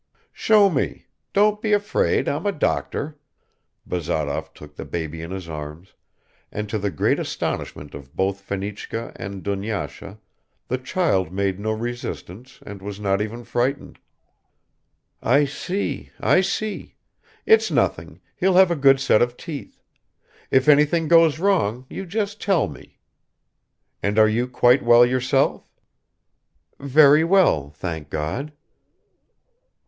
"Show me ... don't be afraid, I'm a doctor." Bazarov took the baby in his arms, and to the great astonishment of both Fenichka and Dunyasha the child made no resistance and was not even frightened. "I see, I see ... It's nothing, he'll have a good set of teeth. If anything goes wrong you just tell me. And are you quite well yourself?" "Very well, thank God."